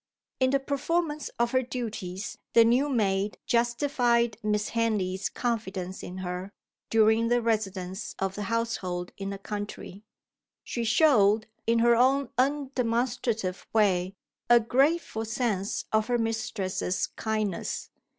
In the performance of her duties the new maid justified Miss Henley's confidence in her, during the residence of the household in the country. She showed, in her own undemonstrative way, a grateful sense of her mistress's kindness.